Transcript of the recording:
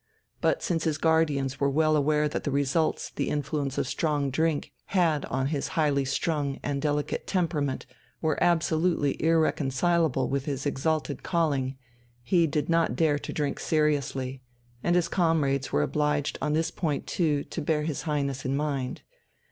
But since his guardians were well aware that the results the influence of strong drink had on his highly strung and delicate temperament were absolutely irreconcilable with his exalted calling, he did not dare to drink seriously, and his comrades were obliged on this point too to bear his Highness in mind.